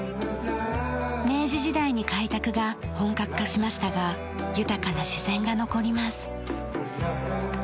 明治時代に開拓が本格化しましたが豊かな自然が残ります。